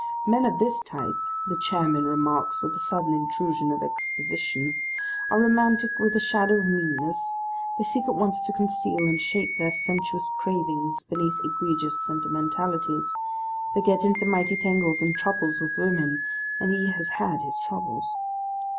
Men of this type, the chairman remarks with a sudden intrusion of exposition, are romantic with a shadow of meanness, they seek at once to conceal and shape their sensuous cravings beneath egregious sentimentalities, they get into mighty tangles and troubles with women, and he has had his troubles.